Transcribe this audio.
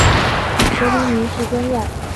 格林尼治宫苑。